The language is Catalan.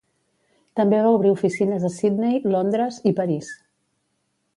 També va obrir oficines a Sydney, Londres i París.